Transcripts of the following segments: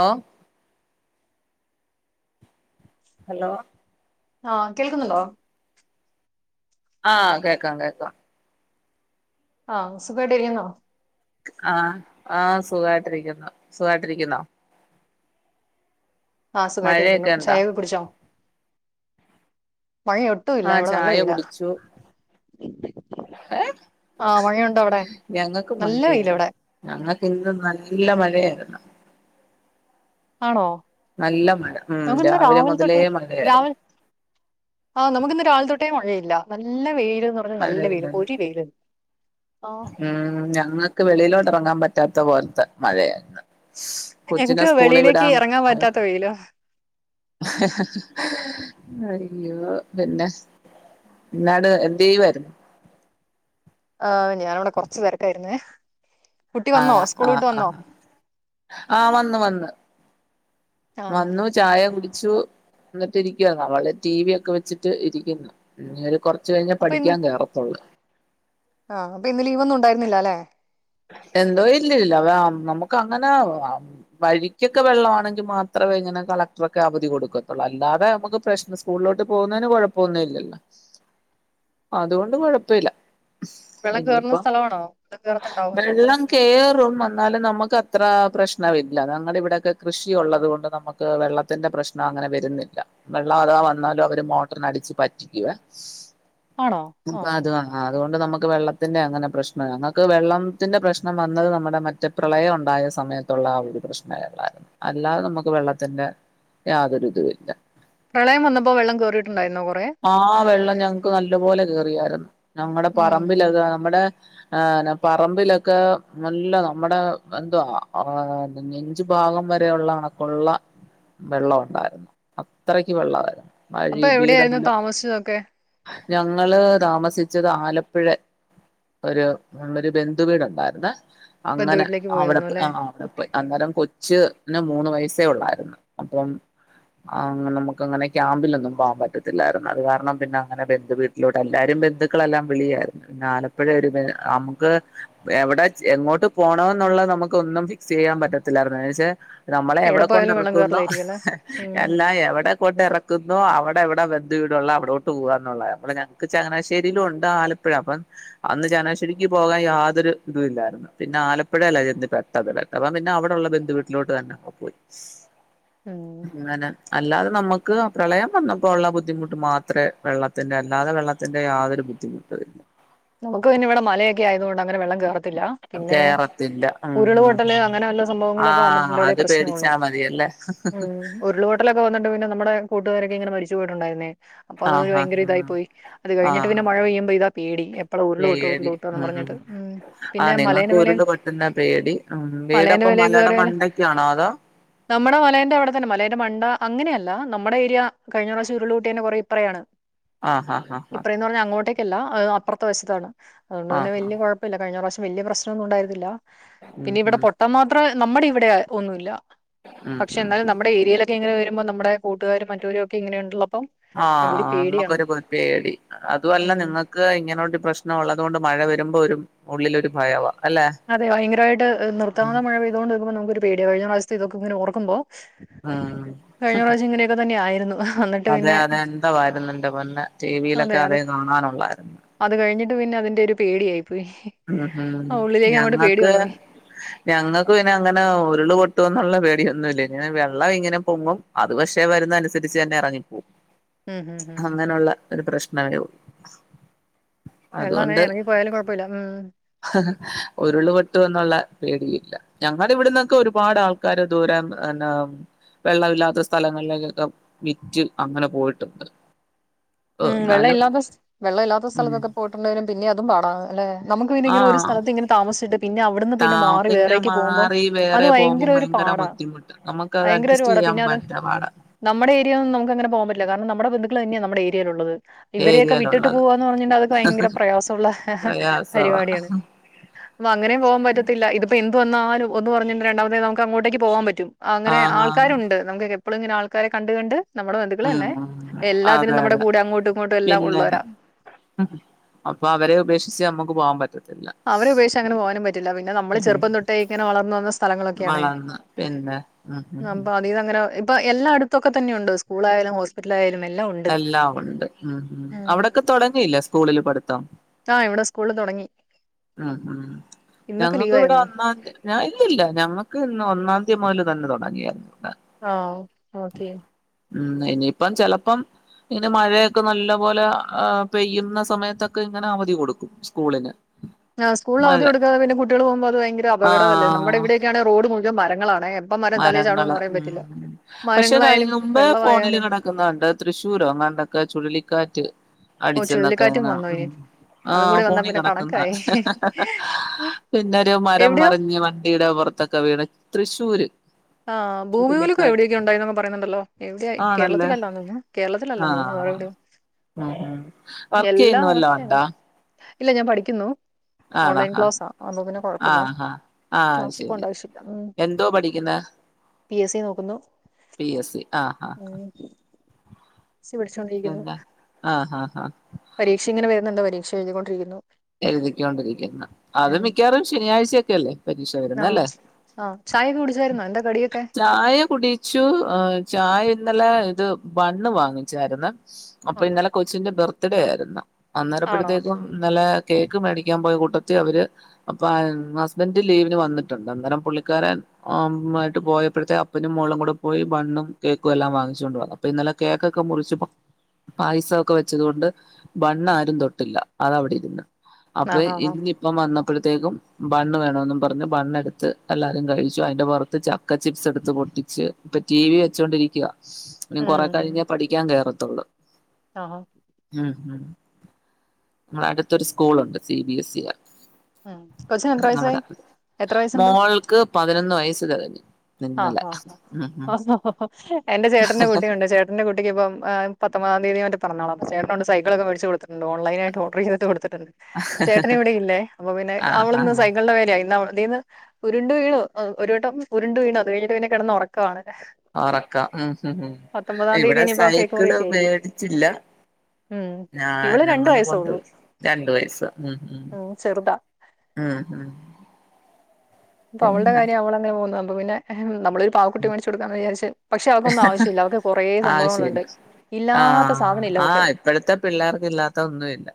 ഓ? Hello? ആ കേൾക്കുന്നുണ്ടോ? ആ കേക്കാം കേക്കാം. ആഹ് സുഖമായിട്ട്ഇരിക്കുന്നോ ആ ആ സുഖായിട്ടരിക്കുന്നോ സുഖായിട്ടിരിക്കുന്നോ ആ സുഖമായിട്ട് ഇരിക്കുന്നു മഴയൊക്കെ ഇണ്ടാ ചായൊക്കെ കുടിച്ചോ മഴ ഒട്ടും ഇല്ല ആ ഇവിടെ നല്ല ചായ വെയിലാ. കുടിച്ചു ആഹ് മഴയുണ്ടോ അവിടെ? ഞങ്ങൾക്ക് നല്ല വെയിലാ ഇവിടെ. മഴയായിരുന്നു ഞങ്ങ ഇന്ന് നല്ല മഴയായിരുന്നു ആണോ നല്ല മഴ ഉം നമുക്കിന്ന് രാവിലെ മുതലേ മഴയായിരുന്നു ആ നമുക്കിന്ന് രാവിലേതൊട്ടേ മഴയില്ല നല്ല വെയിൽ എന്നുപറഞ്ഞാൽ നല്ല വെയില് മഴയില്ലല്ലോ പൊരി വെയില് ഉം ഞങ്ങൾക്ക് വെളിയിലോട്ട് ഇറങ്ങാൻ പറ്റാത്ത പോലത്തെ മഴയാരുന്ന് [unintelligible] കൊച്ചിനെ ഞങ്ങക്ക് സ്കൂളി വെളിയിലേക്ക് വിടാം എറങ്ങാൻ പറ്റാത്ത വെയിലാ. [unintelligible] അയ്യോ പിന്നെ പിന്നവടേഎന്ത് ചെയ്യുവായിരുന്നു ആ ഞാനവിടെ കൊറച്ചു തിരക്കായിരുന്നേ ആടാ ആഹ ആ് ആഹ വന്ന് വന്ന് ആഹ് വന്നു ചായ കുടി ച്ചുഎന്നിട്ട് ഇരിക്കുക അവള ടി വി ഒക്കെ വെച്ചിട്ട് ഇരിക്കുന്നു പിന്നെ ഒരു കുറ വച്ച് കഴിഞ്ഞാൽ അപ്പൊ ഇന്ന് പഠിക്കാൻ കേറത്തൊള്ളൂ ആഹ് അപ്പ ഇന്ന് ലീവ് ഒന്നും ഉണ്ടായിരുന്നില്ല അല്ലെ എന്തോ ഇല്ലല്ല നമുക്ക് അങ്ങനെ വഴിക്കൊക്കെ വെള്ളമാണെങ്കിൽ മാത്രം ഇങ്ങനെ കളക്ട്രോക്കെ അവധി കൊടുക്കത്തുള്ളൂ അല്ലാതെ നമുക്ക് പ്രശ്ന സ്കൂളിലോട്ട്ട് പോകുന്നതിന് കുഴ്കപ്പന്നുല്ലല്ലോ അതോണ്ട് കൊഴപ്പില്ല വെള്ളം കേറുന്ന സ്ഥലമാണോ കേറത്തുണ്ടാവും. വെള്ളം കേറും [unintelligible] അല്ല നമുക്ക് അത്ര പ്രശ്നമില്ല ഞുടെ ഇവിടെയൊക്കെ കൃഷിയ ഉള്ളത് കൊണ്ട് നമുക്ക് വെള്ളത്തിന്റെ പ്രശ്നം അങ്ങനെ വരുന്നില്ല വെള്ളം അഥവാ വന്നാലും അവര് മീറ്ററിനെടിച്ചു പറ്റിക്കുവാ ആണോ ആ അതുകൊണ്ട് നമുക്ക് വെള്ളത്തിന്റെ അങ്ങനെ പ്രശ്നം അങ്ങ വെള്ളം ത്തിന്റെ പ്രശ്നം വന്നത് നമ്മുടെ മറ്റേ പ്രളയം ഉണ്ടായ സമയത്തുള്ള ആ ഒരു പ്രശ്നായിരുന്നു അല്ലാതെ നമുക്ക് വെള്ളത്തിന്റെ യാതൊരു ഇതുമില്ല പ്രളയം വന്നപ്പോ വെള്ളം കേറിയിട്ടുണ്ടായിരുന്നോ കൊറേ ആ വെള്ളം ഞങ്ങക്ക് നല്ലപോലെ കേറിയായിരുന്നു ഞങ്ങടെ ഉം പറമ്പിൽ അതാ നമ്മടെ ആ പറമ്പിലൊക്കെ നല്ല നമ്മുടെ എന്തു എന്തോ നെഞ്ച് ഭാഗം വരള്ള കണക്കുള്ള വെള്ളം ഉണ്ടായിരുന്നു അത്രയ്ക്ക് വെള്ളമായിരുന്നു വഴി അപ്പൊ എവിടെയായിരുന്നു വീടെല്ലാം താമസിച്ചതൊക്കെ? ഞങ്ങള് താമസിച്ചത് ആലപ്പുഴ ഒരു ഒരു ബന്ധുവീടുണ്ടായിരുന്നെ ബന്ധു അങ്ങനെ വീട്ടിലേക്ക് പോയി അവിട വന്നു അല്ലേ? [unintelligible] അന്നേരം കൊച് ന് മൂന്ന് വയസേ ഉള്ളായിരുന്നു അപ്പം ആ നമുക്ക് അങ്ങനെ ക്യാമ്പിലൊന്നുംപോകാൻ പറ്റ ത്തിലായിരുന്നു അത് കാരണം പിന്നെ അങ്ങനെ ബന്ധുവീട്ടിലുടെല്ലാരും ബന്ധുക്കളെല്ലാം വിളിയായിരുന്നു ആലപ്പുഴ ഒരു ബ നമുക്ക് എവിടെ എങ്ങോട്ട് പോണ ന്നുള്ളത് നമുക്ക് ഒന്നും ഫിക്സ് ചെയ്യാൻ പറ്റത്തില്ലായിരുന്നു പക്ഷെ നമ്മളെ എവിടെ പോയാലും വെള്ളം കൊണ്ടിറക്കുന്നു കേറലായിരിക്കും അല്ലേ? [unintelligible] ഉം എല്ലാം എവിടെ കൊണ്ട് ഇറക്കുന്നോ അവിടെ എവിടെ ബന്ധു വീട് ഉള്ള അവിടോട്ട് പോവാന്നുള്ള ഞങ്ങക്ക് ചങ്ങനശ്ശേയിലുണ്ട് ആലപ്പുഴ അപ്പം അന്ന് ചങ്ങാശേരി എനിക്ക് പോകാൻ യാതൊരു ഇതുവുമില്ലായിരുന്നു പിന്നെ ആലപ്പുഴയിലാ ചെന്ന് പെട്ടത് അപ്പം പിന്നെ അവിടുള്ള ബന്ധു വീട്ടിലോട് [unintelligible] ഉം ഇങ്ങനെ അല്ലാതെ നമ്മുക ക്ക് ആ പ്രളയം വന്നപ്പോ ഉള്ള ബുദ്ധിമുട്ട് മാത്രെ വെള്ളത്തിന്റെ അല്ലാതെ വെള്ളത്തിന്റെ യാതൊരു ബുദ്ധിമുട്ട് വല്ല നമുക്ക്പിന്നെ ഇവിടെ മലയൊക്കെ ആയതോണ്ട് അങ്ങെനെ വെള്ളം കേറ ല്ല ഇല്ല പിന്നെ കേറത്തില്ല ഉം ഉം ഉരുൾപൊട്ടല് ഉം അങ്ങനെവല്ല സംഭവങ്ങളൊക്കെ ആഹ് വന്നിട്ടുണ്ടെല് അത് പ്രശ്നവാണോ പേടിച്ചാ മതിയല്ലേ ഉം ഉരുളപോട്ടലൊക്കെ വന്നിട്ട് പിന്നെ നമ്മുടെ കൂട്ടുകാരി ങ്ങനെ മരിച്ചു പോയിട്ടുണ്ടായിരുന്നേ അപ്പൊ അതൊരു ആഹ് ഭയങ്കര ആഹ് ഇതായി പോയി അത് ആഹ് കഴിഞ്ഞിട്ട് പിന്നെ മഴ ആഹ് പെയ്യുമ്പോ ഇതാ പേടി എപ്പളാ ഉരുള് പൊട്ടും പേടി ഉരുള് പൊട്ടുംന്ന് ഉം പറഞ്ഞിട്ട്. ആ പിന്നെ നിങ്ങൾക്ക് മലേന്റെ മേലെ ഉരുള് പൊട്ടുന്ന പേടി ഉം മലേന്റെ വീടപ്പം മേലെ മലടെ കേറിയാല് മണ്ടക്കാണോ അതോ നമ്മുടെ മലേന്റെ അവിടെ തന്നെ മലേന്റെ മണ്ട അങ്ങനെയ അല്ല ആ നമ്മുടെ ഏരിയ കഴിഞ്ഞ പ്രാവശ്യ ഉരുൾപൊട്ടിയ കുറെ ഇപ്രയാണ് ആ ആ ആ ആ ല്ല അപ്പുത്തെ വശത്താണ് അതുകൊണ്ട് പിന്നെ ആഹ് ആഹ് വലിയ കുഴപ്പമില്ല കഴിഞ്ഞ പ്രാവശ്യം വലിയ പ്രശ്നംന്നും ഉണ്ടായിരുന്നില്ല ഉം പിന്നെ ഇവിടെ ഉം പൊട്ടാൻ മാത്രം നമ്മുടെ ഇവിടെ ഒന്നുല്ല ഉം പക്ഷെ ഉം എന്നാലും നമ്മുടെ ഏരിയയിലൊക്കെ ഇങ്ങനെ വരുമ്പോ നമ്മുടെ കൂട്ടുകാരും മറ്റവരും ഒക്കെ ഇങ്ങനെ ഉണ്ട ആ നമ്മുക്കൊരു കുതിപ്പേടി അതുമല്ല ഉം നിങ്ങക്ക് ഇങ്ങനോട് പ്രശ്നം ണം ഉള്ളതുകൊണ്ട് മഴ വരുമ്പോ ഒരു ഉള്ളിലൊരു ഭയവ അതെ ഭയങ്കരായിട്ട്നിർത്താതെ മഴ പെയ്തോട്ട് നിക്കുപ്പോ നമുക്ക്ഒരു പേടിയാ കഴിഞ്ഞ പ്രാവശത്തെ ഇതോക്കെങ്ങനെ ഓർക്കുമ്പോ ഉം കഴിഞ്ഞ പ്രാവശ്യം ഇങ്ങനെയൊക്കെ തന്നെ ആയിരുന്നു എന്നിട്ട് അതെ പിന്നെ അതെ എന്താ വരുന്നു ഇന്റെ പൊന്നെ ടി അതെ വിയിലൊക്കെ അത് അതേ കാണാനൊള്ളായിരുന്നു അത് കഴിഞ്ഞിട്ട് പിന്നെ അതിന്റെ ഒരു പേടിയായി പോയി ഉള്ളിലേക്ക് അങ്ങോട്ട് പേടി ഞങ്ങൾക്ക് വന്നു പോയി ഞങ്ങക്ക് പിന്നെ അങ്ങനെ ഉരുള് പൊട്ടു ന്നുള്ള പേടിയൊന്നു ഇല്ലേനി ന്നാ വെള്ളം ഇങ്ങനെ പൊങ്ങും അത് പക്ഷേ വരുന്നനുസരിച്ചന്നെ ഇറങ്ങിപ്പോകും ഉം ഉം ഉം അങ്ങനെള്ള ഒരു പ്രശ്നേ യെ വെള്ളമേ ഇറങ്ങി പോയാലും കുഴപ്പല്ല ഉം ഉരുള് പൊട്ടുന്നുള്ള പേടിയില്ല ഞങ്ങള ഇവിടന്നൊക്കെ ഒരുപാട് ആൾക്കാര് ദൂരം എഞ്ഞാ വെള്ളമില്ലാത്ത സ്ഥലങ്ങളിലേക്കൊക്കെ വിറ്റ് അങ്ങനെ പോയിട്ടുണ്ട് ഉം വെള്ള എന്നാലും ഇല്ലാത്ത വെള്ളം ഇല്ലാത്ത ഉം സ്ഥലത്തൊക്കെ പോയിട്ടുണ്ടെനും പിന്നെ അതും പാടാ അല്ലെ നമുക്ക് പിന്നെ ഇങ്ങനെ ഒരു ആഹ് സ്ഥലത്ത് ഇങ്ങനെ താമസിച്ചട്ട് പിന്നെ അവിടുന്ന് പിന്നെ മാറി വേറെേക്ക് പോകുമ്പം അത് ഭയങ്കര ഒരു പാ ട ബുദ്ധിമുട്ട് നമുക്കത് അഡ്ജസ്റ്റ് ചെയ്യാൻ പറ്റ പാട നമ്മടെ ഏരിയേന്നെന്നുംനമുക്ക് അങ്ങനെപോകാൻ പറ്റില്ല കാരണം നമ്മുടെ ബന്ധുക്കൾ തന്നെ നമ്മടെ ഏരിയേല്ള്ളത് ഇവരൊക്കെ വിട്ടിട്ട് ഏരിയയിലുള്ളത് പോവാന്ന് പറഞ്ഞ്ണ്ടേ അത് ഭയങ്കര പ്രയാസള്ള പ്രയാസവാ പരിവാടിയാണ് അങ്ങനെ പോവാൻ പറ്റത്തില്ല ഇത്പ്പോ എ പ്പവന്നാലും ഒന്ന് പറഞ്ഞിട്ട് രണ്ടാമത്തേ ന് നമുക്ക് അങ്ങോട്ടേക്ക് പോവാൻ പറ്റും അങ്ങനെ ആഹ് ആൾക്കാരുണ്ട് നമുക്കെക്കെ എപ്പളും ഇങ്ങനെ ആൾക്കാരെ കണ്ട് കണ്ട് നമ്മുടെ ബന്ധുക്കളെതന്നെ ഉം എല്ലാത്തിനും അതെ നമ്മുടെ അതെ കൂടെ അങ്ങോട്ടും ഇങ്ങോട്ടും എല്ലാം പിന്നെ ഉള്ളവരാ അപ്പൊ അവരെ ഉപേക്ഷിച്ച് നമ്മുക്ക് പോവാൻ പറ്റ അവരെ ഉപേക്ഷി അങ്ങനെ പോകാനും പറ്റില്ല പിന്നെ നമ്മള് ഉം ചെറുപ്പം തൊട്ടേ ഇങ്ങനെ വളർന്നു വന്ന സ്ഥലങ്ങളൊക്കെയാണേ വളർന്ന് പിന്നെ ഉം ഉം ഉം അപ്പൊ അതികങ്ങനെഇപ്പൊ എല്ലാ അടുത്തൊക്കെ തന്നെയുണ്ട് സ്കൂളായാലും ഹോസ്പിറ്റലായാലും എ എല്ലാം ഉണ്ട് ഉം ഉം അവിടൊക്കെ തുടങ്ങിയില്ല സ്കൂളില് പഠിത്തം ആ ഇവിടെ സ്കൂള്ള് തൊടങ്ങി ഉം ഉം ഇന്നൊക്കെ ഞങ്ങൾക്ക് ഇവിടെ ലീവായിരുന്നേ. ഒന്നാ ഇല്ലല്ല ഞങ്ങ ക്ക് ഇന്ന് ഒന്നാം തീ മുതൽ തന്നെ തുടങ്ങിയാരുന്നു ആ ഓ കേ ഉം ഇനിയിപ്പം ചെലപ്പം ഇങ്ങനെ മഴയൊക്കെ നല്ല പോലെ പെയ്യുന്ന സമയത്തൊക്കെ ഇങ്ങനെ അവധി കൊടുക്കും സ്കൂളിന് ആ സ്കൂള് ന് മഴ അവധി കൊടുക്കാതെ പിന്നെ കുട്ടികൾ പോകുമ്പോ അത് ഭയങ്കര അപകടമല്ലേ നമ്മുടെ ആഹ് ഇവിടെയൊക്കെ യാണേ റോഡ്മുഴുവൻ മരങ്ങളാണേ എപ്പം മരം തലേ മരങ്ങള് ചാടുവെന്ന് പറയാൻ പറ്റില്ല. ഉം പക്ഷെ കഴി മരങ്ങളായാലും മുമ്പ് ഫോണില് വെള്ളവായാലും കിടക്കുന്നേ കണ്ട് തൃശ്ശൂരോ പണ്ടൊക്കെ ചുഴലിക്കാറ്റ് ഓഹ് അടിച്ചന്നൊക്കെ ചുഴലിക്കാറ്റും അങ്ങനെ വന്നു ഇനി. ആ അതും കൂടി വന്നാ ഫോണി പിന്നെ കിടക്കന്നേ കണക്കായി. പിന്നൊരു മരം എവിടെയോ? മറിഞ്ഞ് വണ്ടിയുടെ പുറത്തൊക്കെ വീണ് തൃശ്ശൂര് ആ ഭൂമികൂലുക്കം ചുഴലിക്കാറ്റ് എവിടെയൊക്കെ ഉ ണ്ടായി എന്നൊക്കെ പറയുന്നുണ്ടല്ലോ എവിടെയ ആണല്ലേ കേരളത്തിലല്ലോന്നു കേരളത്തിലല്ലന്നോ ആഹ് വേൾഡ് ഉം ഉം വർക്ക് ചെയ്യുന്നു വല്ലോ ണ്ടാ ഇല്ല ഞാൻ പഠിക്കുന്നു ഓൺലൈൻ ആ ക്ലാസ്സാ ആവുമ്പോ പിന്നെ കൊഴപ്പല്ല ആഹ് ആഹ് ആഹ് ക്ലാസിൽ ശരി പോണ്ട ആവശ്യല്ല ഉം എന്തോ പഠിക്കുന്നെ പി എസ് സി നോക്കുന്നു പി എസ് സി ആ ആ ആ എ സി പടിച്ചോണ്ടിരിക്കുന്നു ആഹ് ആഹ് ആഹ് പരീക്ഷ ഇങ്ങനെ വരുന്നുണ്ട് പരീക്ഷ എഴുതി കൊണ്ടിരിക്കുന്നു എഴുതിക്കൊണ്ടിരിക്കുന്ന അത് മിക്കാറും ശനിയാഴ്ച ഒക്കെല്ലേ പരീക്ഷ വരുന്നെ ആഹ് അല്ലേ ആഹ് ചായയൊക്കെ കുടിച്ചായിരുന്നോ എന്താ കടിയൊക്കെ ചായ കുടിച്ചു ചായ ഇന്നലെ ഇത് ബണ്ണ് വാങ്ങിച്ചാര്ന്ന് അപ്പൊ ആഹാ. ഇന്നലെ കൊച്ചിന്റെ ബർത്ത്ഡേ ആയിരുന്നു ആണോ അന്നേരപ്പോഴത്തേക്കും ഇന്നലെ പഠിക്കാൻ പോയ കൂട്ടത്തി അവര് അപ്പോ ഹസ്ബൻഡ് ലീവിന് വന്നിട്ടുണ്ട് അന്നേരം പുള്ളിക്കാരൻ മായിട്ട് പോയപ്പോഴത്തെ അപ്പനും മോളും കൂടെ പോയി ബണ്ണും കേക്കും എല്ലാം വാങ്ങിച്ചുകൊണ്ട് വന്നു അപ്പ ഇന്നലെ കേക്കൊക്കെ മുറി ച്ച് പായസൊക്കെ വെച്ചത് കൊണ്ട് ബണ്ണ് ആരും തൊട്ടില്ല അത അവിടെ ഇര്ന്ന് അപ്പയ് ആഹ് ആഹ് ആഹ് ഇന്നിപ്പം വന്ന [unintelligible] അപ്പഴത്തേക്കും ബണ്ണ് വേണോന്നും പറഞ്ഞ്, ബണ്ണെട്ത്ത് എല്ലാരും കഴിച്ചു. അയിന്റെ പൊറത്ത് ചക്ക ചിപ്സെടുത്ത് കൊ പ്പിച്ച് പ്പ ടി വി വെച്ചോണ്ടിരിക്ക്യാ നിം കൊറേ ഉം കഴിഞ്ഞേ പഠിക്കാൻ കേറത്തൊള്ളു. ആഹ് ഉം ഉം മ്മളെ അടുത്തൊരു സ്കൂളൊണ്ട് സി ബി എ സി യാ. ഉം കൊച്ചിന് എത്ര അവടെ, വയസ്സായി എത്ര വയസ്സുണ്ട് മോൾക്ക് പതിനൊന്ന് വയസ്സ് തെകഞ്ഞ്. ഇന്നലെ, ഉം [unintelligible] എൻ്റെ ചേട്ടന്റെ കുട്ടിയുണ്ട്, ചേട്ടന്റെ കുട്ടിയ്ക്കിപ്പം ഏ പത്തൊമ്പതാം തീയതി മറ്റെ പെറന്നാളാണ്, ചേട്ടനൊണ്ട് സൈകിളൊക്കെ വേടിച്ച് കൊടുത്തിട്ടുണ്ട്. ഓൺലൈനായിട്ട് ഓഡർ ചെയ്തിട്ട് കൊടുത്ത്. ചേട്ടനിവിടെയില്ലേ, അപ്പൊ പിന്നെ ആഹ് അവളിന്ന് ആഹ് സൈക്കള്ന്റെ മേലെയാ. ഇന്ന് അ തീന്ന് ഉരുണ്ടു വീണു. ആ ഒരു വട്ടം ഉര്ണ്ട് വീണു. അത് കഴിഞ്ഞിട്ട് പിന്നെ കെടന്ന് ഉറക്കവാണ് ഒറക്ക, ഉം ഉം ഉം പത്തൊമ്പതാം എ തീയതി ഇവിടെ ഇനിയിപ്പോ കേക്ക് സൈക്കിള് മുറിവെച്ചായിരിക്കും മേടിച്ചില്ല. ഉം ഞാൻ, ഇവള് രണ്ട് ഞങ്ങള് വയസ്സേ കൊണ്ട് ഉള്ളൂ വരും. രണ്ട് വയസ ഉം ഉം ഉം ഉം പ്പൊ അവൾടെ പിന്നെ കാര്യം അവളങ്ങനെ പോകുന്നു. അപ്പൊ പിന്നെ [unintelligible] നമ്മളൊരു പാവക്കുട്ടി മേടിച്ച് കൊടുക്കാന്ന് വിചാരിച്ച്, പക്ഷെ അവക്കൊന്നും ആവശ്യമില്ല അവക്ക് കൊറേ സംഭവങ്ങള്ണ്ട്. ഇല്ലാത്ത സ ആ ഇപ്പഴത്തെ പിള്ളേർക്ക് ഇല്ലാത്ത ഒന്നും ഇല്ല.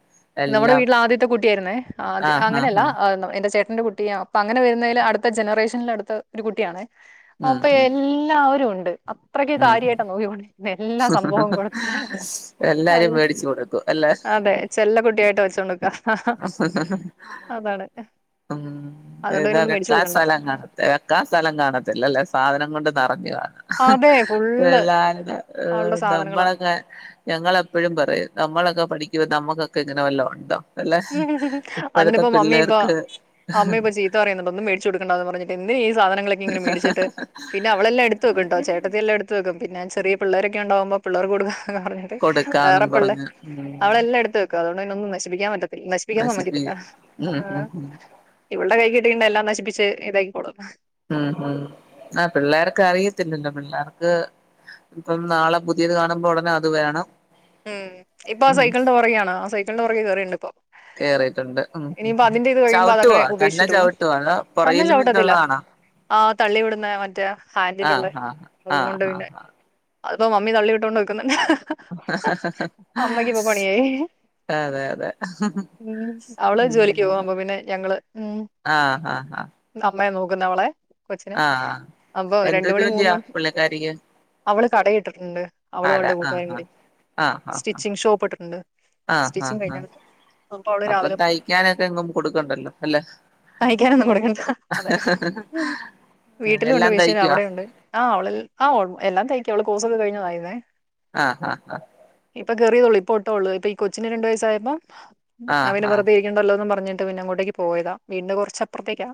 നമ്മടെ വീട്ടിലെ ആദ്യത്തെ കുട്ടിയായിരുന്നേ, ആദ്യ ആഹ് ആഹ് അങ്ങനെയല്ല ആഹ് ആ എന്താ പറ എന്റെ ചേ ന്റെ കുട്ടിയാ, അപ്പ അങ്ങനെ വരുന്നേല് അടുത്ത ജനറേഷനില് അടുത്ത ഒരു കുട്ടിയാണെ ഉം അപ്പൊ ഉം എല്ലാവരും ഉണ്ട് അത്രയ്ക്ക് ഉം കാര്യായിട്ടാ നോക്കികൊണ്ടിരുന്നെ ല്ലാ സംഭവം കൊടുത്ത് ഹ് ഹ് എല്ലാരും നല്ല മേടിച്ചു കൊടുക്കും അല്ലെ അതെ, ചെല്ല കുട്ടിയായിട്ട് വച്ചോണ്ട് [unintelligible] ഉം അതുകൊണ്ട് ഇത് പിന്നൊന്നും മേടിച്ചു വെക്കാ കൊടുക്കണ്ട. സലം ഉം. കാണ വെക്കാ സലം കാണത്തില്ലല്ലേ, സാധനം കൊണ്ട്. നെറഞ്ഞു കാണാ അതെ ഹും ഫുള്ള് എല്ലാരും അവളുടെ സാധനങ്ങളാ. നമ്മളൊക്കെ ഞങ്ങളെപ്പഴും പറയും നമ്മളൊക്കെ പഠിക്ക്മ്പൊ നമ്മുക്കൊക്കെ ഇങ്ങനെ വല്ലോം ഉണ്ടോ? അല്ലെ! ഇപ്പഴത്തെ പിള്ളേർക്ക് അമ്മയിപ്പം ചീത്ത പറയുന്നുണ്ട്, ഒന്നും മേടിച്ചു കൊടുക്കണ്ടാന്ന് പറഞ്ഞിട്ട്. എന്ത് ചെയ്യും? സാധനങ്ങളൊക്കെയിങ്ങനെ മേടിച്ചിട്ട് പിന്നെ അവളെല്ലാം എടുത്ത് വെക്കുംട്ടോ, ചേട്ടത്തി എല്ലാം എടുത്ത് വെക്കും. പിന്നെ ചെറിയ പിള്ളേരൊക്കെ ഒണ്ടാവുമ്പം പിള്ളേർക് കൊടുക്കാ ഹ് കൊടുക്കാന്നും വേറെപ്പള്ളെ പറഞ്ഞ് ഉം അവളെല്ലാം എടുത്ത് വെക്കും അതുകൊണ്ട് പിന്നെ ഒന്നും നശിപ്പിക്കാൻ പറ്റത്ത് നശിപ്പിയ്ക്കാൻ സമ്മയ്ക്കത്തില്ല. നശിപ്പിക്കും ഉം ആ ഉം ഉം ഇവൾടെ കയ്യി കിട്ടിയിണ്ടേ എല്ലാം നശിപ്പിച്ച് ഏതാ ഈ കൊടം? ഉം ഉം ആ പിള്ളേർക്ക് അറിയത്തില്ലല്ലോ പിള്ളേർക്ക് ഇപ്പം നാളെ പുതിയത് കാണുമ്പോളുടനെ അത് വേണം. ഉം ഇപ്പൊ ആ ഉം സൈക്കൾന്റെ പുറകെയാണ്. ആ സൈക്കൾന്റെ പുറകെ കേറീണ്ട് ഇപ്പോ കേറീട്ടുണ്ട്. ഉം കഴിയുമ്പോ അതങ്ങനെ ചവുട്ടുവോ തന്നെ ഉപേക്ഷിച്ചിട്ട് പോകും ചവുട്ടോ അതോ, തന്നെ പൊറകിലും ഇത് ചവിട്ടത്തില്ല ള്ളതാണാ ആ തള്ളി വിടുന്നയാ, മറ്റേ ആഹ് ഹാൻഡിലുള്ളെ ആഹ് അതും കൊണ്ട് ആഹ് പിന്നെ ആഹ് അത്പ്പം മമ്മി തള്ളിവിട്ടോണ്ട് നിക്ക്ന്ന്. അമ്മയ്ക്കിപ്പൊ ആഹ് പണിയായി. അതെ അതെ ഉം, അവള് ജോലിയ്ക്ക് പോകുമ്പൊ പിന്നെ ഞങ്ങള് ഉം ആ ആ ആ അമ്മയാ നോക്കുന്നെ അവളെ, കൊച്ചിനെ, അപ്പോ എന്ത് രണ്ട് മണി മൂന്ന് ജോലിയാ മണി പുള്ളിക്കാരിക്ക് അവള് കടയിട്ട്ട്ട്ണ്ട്, അവളും അവളുടെ കൂട്ടുകാരും കൂടി. ആ ആ ആ സ്റ്റിച്ചിങ് ഷോപ്പ് ഇട്ടിട്ടുണ്ട് ആ ഹാ സ്റ്റിച്ചിങ് ഹാ കഴിഞ്ഞാണ് അവള് അപ്പൊ രാവിലെ തയ്ക്കാനൊക്കെങ്ങും കൊടുക്കണ്ടല്ലോ? അല്ലെ? തയ്ക്കാനൊന്നും കൊടുക്കണ്ട. അതെ, വീട്ടിലുണ്ട് എല്ലാം മിഷൻ, തയ്ക്കുവാ അവിടെയുണ്ട്. ആ അവളെൽ ആ എല്ലാം തയ്ക്കും. അവള് കോഴ്സൊക്കെ കഴിഞ്ഞതായിരുന്നെ. ആഹ് ആഹ് ആഹ്. ഇപ്പൊ കേറിയേള്ളൂ, ഇപ്പോട്ടേള്ളൂ ഇപ്പോ ഈ കൊച്ചിന് രണ്ടു വയസ്സായപ്പം, ആഹ് [unintelligible] ആഹ് വെറുതെയിരിക്കണ്ടല്ലോന്നും പറഞ്ഞ് പിന്നെ അങ്ങോട്ടേയ്ക്ക് പോയതാ, വീടിന്റെ കൊറച്ചപ്പർത്തേയ്ക്കാ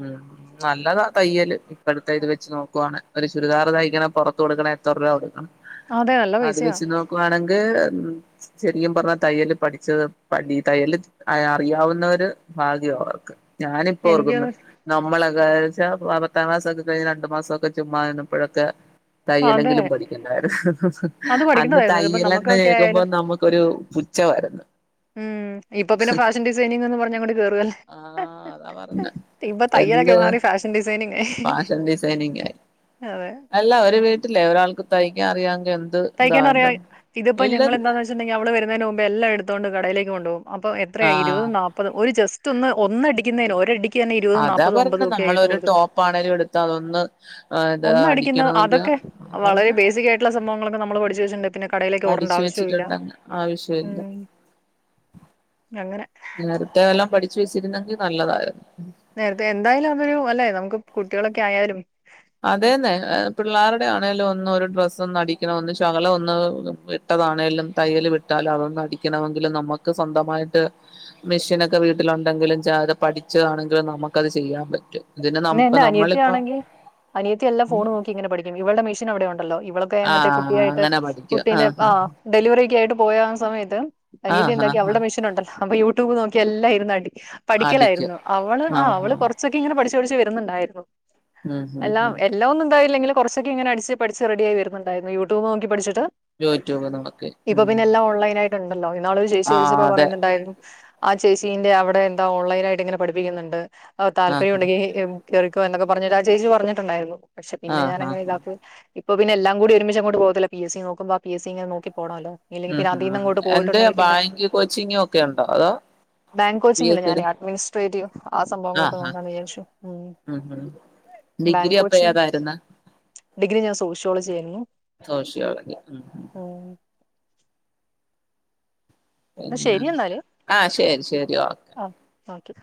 ഉം നല്ലതാ തയ്യല്. ഇപ്പോഴത്തെ ഇത് വെച്ച് നോക്കുവാണെ. ഒരു ചുരിദാർ തയ്ക്കണെ പുറത്ത് കൊടുക്കണേ എത്ര രൂപാ കൊടുക്കണം? അതെ നല്ല അത് പൈസയാ വെച്ച് നോക്കുവാണെങ്കിൽ ഉം ശെരിക്കും പറഞ്ഞ തയ്യല് പഠിച്ചത് പഠി തയ്യല് അറിയാവുന്നവര് ഭാഗ്യവാ അവർക്ക്. ഞാനിപ്പോ എനിക്ക് ഓർക്കുന്ന നമ്മള്ളൊക്കെയാണച്ചാൽ, പത്താം ക്ലാസ്സ്‌ ഒക്കെ കഴിഞ്ഞ് രണ്ടു മാസമൊക്കെ ചുമ്മാ ഇരുന്നപ്പോഴൊക്കെ അത് തയ്യലെങ്കിലും പഠിക്കണ്ടായിരുന്നു. അത് അന്ന് പഠിക്കേണ്ടതായിരുന്നു ഇതിപ്പോ തയ്യലെന്ന് നമുക്കൊക്കെ കേൾക്കുമ്പോ ആയാലും നമുക്കൊരു പുച്ഛവാരുന്നു. ഉം ഇപ്പൊ പിന്നെ ഫാഷൻ ഡിസൈനിങ് എന്ന് പറഞ്ഞ അങ്ങോട് കേറുവല്ലേ. ആഹ് അതാ പറഞ്ഞെ ഇപ്പ എന്ത് ഫാഷൻ ഡിസൈനിങ്. അതെ അല്ലാ വീട്ടിലേ ഒരാൾക്ക് തയ്ക്കാ അറിയാവെങ്കി തയ്ക്കാനറിയാം, ഇതിപ്പോ ഇല്ലെന്ന് ഞങ്ങളെന്താന്ന് വെച്ചട്ടുണ്ടെിൽ അവള് വരുന്നതിന് മുമ്പ് എല്ലാം എടുത്തുക്കൊണ്ട് കടയിലേക്ക് കൊണ്ടുപോകും. അപ്പൊ എത്രയ ഇരുപത് ആഹ് നാപ്പതും ഒരു ജസ്റ്റ് ഒന്ന് ഒന്നടിക്കുന്നതിന് ഒരടി ഇരുപതും അതാ നാൽപതും പറഞ്ഞെ അമ്പതും ഒക്കെ ആയിട്ട നമ്മളൊരു കൊടുക്കുന്നെ. ടോപ്പാണേലും എടുത്ത് അതൊന്ന് ഇത് ഒന്നടിക്കുന്ന അടിക്കണമെങ്കിൽ അതൊക്കെ വളരെ പറഞ്ഞ് ബേസിക് ആയിട്ടുള്ള സംഭവങ്ങളൊക്കെ നമ്മള് പഠിച്ചു വെച്ചിട്ടുണ്ട്. പിന്നെ, കടയിലേക്ക് ഓടേണ്ട പഠിച്ചു ആവശ്യമില്ല വെച്ചിട്ടുണ്ടങ്കി ആവശ്യ ഇല്ല. ഉം അങ്ങനെ നേരത്തെ വല്ലോം പഠിച്ചു വെച്ചിരുന്നെങ്കിൽ നല്ലതായിരുന്നു. നേരത്തെ എന്തായാലും, അതൊരു അല്ലെ, നമുക്ക് കുട്ടികളൊക്കെ ആയാലും, അതെന്നെ പിള്ളേരുടെ ആണെലും, ഒന്ന് ഒരു ഡ്രസ്സ് ഒന്ന് അടിക്കണം, ഒന്ന് ശകലം ഒന്ന് ടക് ആണെലും തയ്യൽ വിട്ടാലും, അതൊന്ന് അടിക്കണമെങ്കില്, നമ്മക്ക് സ്വന്തമായിട്ട് മെഷീനൊക്കെ വീട്ടില ഉണ്ടെങ്കിലും ച്ച അത് പഠിച്ചതാണെങ്കില് നമുക്കത് ചെയ്യാൻ പറ്റും. ഇതിന് ന പിന്നെ ഇപ്പ എന്റെ നമ്മളിപ്പ അനിയത്തിയാണെങ്കിൽ, അനിയത്തി എല്ലാം ഫോണ് നോക്കിയിങ്ങനെ പഠിക്കും. ഇവളടെ മെഷീൻ അവിടെ ഉണ്ടല്ലോ. [unintelligible] മറ്റേ ആഹ് കുട്ടിയായിട്ട്. അങ്ങനെ പഠിക്കും കുട്ടിന്റെ ആഹ് ആ ഡെലിവറി ഒക്കെയായിട്ട്, പോയാ ആ സമയത്ത് അനിയത്തി ആഹ് എന്താക്കി, ആഹ് ആ അവൾടെ മെഷിനുണ്ടല്ലോ, അപ്പൊ യൂട്യൂബ് നോക്കി എല്ലാം ഇരുന്നടിക്കും. ആ അടിക്കും പഠിക്കലായിരുന്നു. അവള് ആ അവള് കൊറച്ചൊക്കെ ഇങ്ങനെ പഠിച്ചു പഠിച്ച് വരുന്നുണ്ടായിരുന്നു. ഉം ഉം അല്ല ഉം എല്ലാം ഒന്നും ഉണ്ടായില്ലെങ്കിലും, കുറച്ചൊക്കെ ഇങ്ങനെ അടിച്ച് പഠിച്ച് റെഡിയായി വരുന്നുണ്ടായിരുന്നു. യൂട്യൂബ് നോക്കി പഠിച്ചിട്ട്. യൂട്യൂബിൽ ഇപ്പൊ പിന്നെ എല്ലാം ഓൺലൈൻ ആയിട്ടുണ്ടല്ലോ. ഇന്നാള് ഒരു ചേച്ചി ആഹ് വിളിച്ചപ്പോ അതെ പറയുന്നുണ്ടായിരുന്നു. ആ ചേച്ചി അവിടെ എന്താ ഓൺലൈനായിട്ട് ഇങ്ങനെ പഠിപ്പിക്കുന്നുണ്ട്. താല്പര്യം ആഹ് ഉണ്ടെങ്കിൽ കേറിക്കോ എന്നൊക്കെ പറഞ്ഞിട്ട് ആ ചേച്ചി പറഞ്ഞിട്ടുണ്ടായിരുന്നു. പക്ഷെ പിന്നെ ആഹ് ഞാനങ്ങനെ ആഹ് ഇതാക്ക് ഇപ്പൊ പിന്നെ എല്ലാം കൂടി ഒരുമിച്ചങ്ങോട്ട് പോവത്തില്ല. പി എസ് സി നോക്കുമ്പോ പി എസ് സി ഇങ്ങനെ നോക്കി പോണല്ലോ. ഇല്ലെങ്കിൽ ഉം പിന്നെ അതിൽന്ന് ഉം അങ്ങോട്ട് എന്റെ പോയിട്ടുണ്ടെങ്കി പിന്നെ ബാങ്ക് കോച്ചിങ്ങും ഒക്കെ ഉണ്ടോ അതോ ബാങ്ക് പി കോച്ചിങ്ങില്ല. എസ് ഞാൻ സിയുടെ അഡ്മിനിസ്ട്രേറ്റീവ് ആ സംഭവങ്ങളൊക്കെ ആഹ് ആഹ് ആ നോക്കാന്ന് വിചാരിച്ചു. ഉം ഉം ഡിഗ്രി ബാങ്ക് അപ്പൊ കോച്ചിങ് ഏതായിരുന്ന്? ഡിഗ്രി ഞാൻ സോഷ്യോളജി ആയിരുന്നു സോഷിയോളജി ഉം ഉം. എന്ന പിന്നെ ശരി എന്നാൽ. ആ ശരി ശരി ഓക്കെ ആഹ ഓക്കെ.